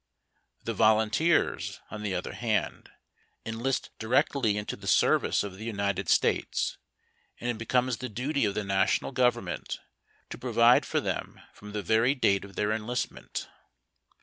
The volunteers, on the other hand, enlist directly into the service of the United States, and it becomes the duty of the national government to provide for them from the very date of their enlistment.